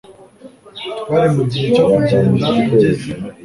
Twari mugihe cyo kugenda ageze.